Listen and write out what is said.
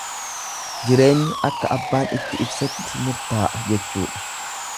Jireenyi akka abbaan itti ibsetti murtaa'a jechuudha.